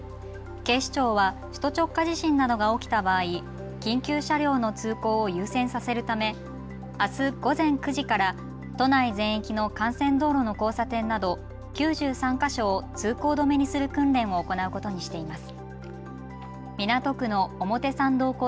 警視庁は首都直下地震などが起きた場合、緊急車両の通行を優先させるためあす午前９時から都内全域の幹線道路の交差点など９３か所を通行止めにする訓練を行うことにしています。